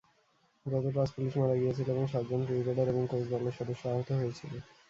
যাতে পাঁচ পুলিশ মারা গিয়েছিল এবং সাত জন ক্রিকেটার এবং কোচ দলের সদস্য আহত হয়েছিল।